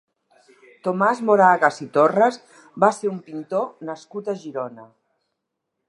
Tomàs Moragas i Torras va ser un pintor nascut a Girona.